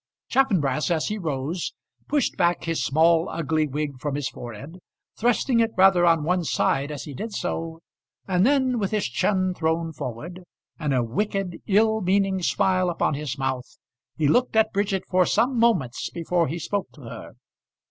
Chaffanbrass as he rose pushed back his small ugly wig from his forehead, thrusting it rather on one side as he did so, and then, with his chin thrown forward, and a wicked, ill meaning smile upon his mouth, he looked at Bridget for some moments before he spoke to her.